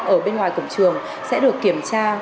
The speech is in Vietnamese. ở bên ngoài cổng trường sẽ được kiểm tra